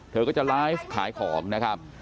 เธอก็จะไลฟ์ขายของนะครับ